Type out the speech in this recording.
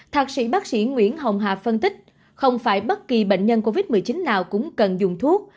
thạc sĩ bác sĩ nguyễn hồng hà phân tích không phải bất kỳ bệnh nhân covid một mươi chín nào cũng cần dùng thuốc